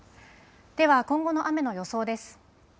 では今後の雨の予想です。